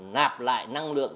nạp lại năng lượng